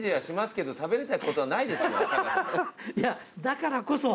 いやだからこそ。